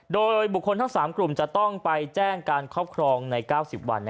โดยบุคคลทั้ง๓กลุ่มจะต้องไปแจ้งการครอบครองใน๙๐วัน